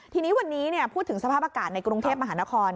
ทีนี้วันนี้พูดถึงสภาพอากาศในกรุงเทพมหานคร